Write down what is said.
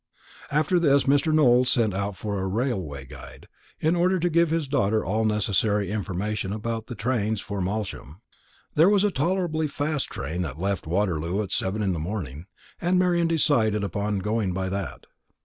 After this Mr. Nowell sent out for a "Railway Guide," in order to give his daughter all necessary information about the trains for Malsham. There was a tolerably fast train that left Waterloo at seven in the morning, and Marian decided upon going by that.